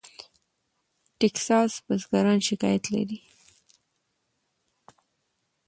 ټیکساس بزګران شکایت لري.